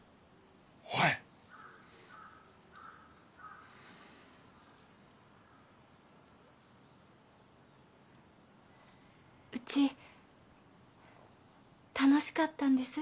おいッうち楽しかったんです